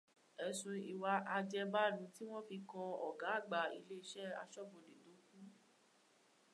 Ẹ̀sùn ìwà àjẹbánu tí wọn fi kan ọ̀gá àgbà ilé-iṣẹ́ aṣọ́bodè tó kú